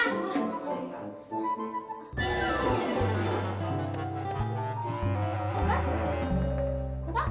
eh ke mana